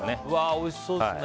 おいしそうですね。